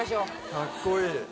かっこいい。